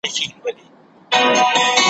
کتابونه فکر پراخوي.